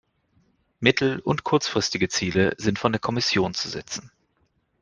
Mittel- und kurzfristige Ziele sind von der Kommission zu setzen.